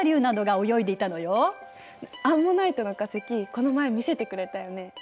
アンモナイトの化石この前見せてくれたよね。